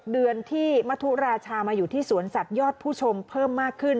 เดือนที่มธุราชามาอยู่ที่สวนสัตว์ยอดผู้ชมเพิ่มมากขึ้น